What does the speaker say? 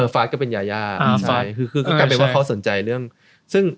ฟาสก็เป็นยาคือกลางแปปว่าเขาสนใจเรื่อง